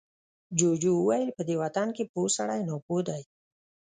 جوجو وويل، په دې وطن کې پوه سړی ناپوه دی.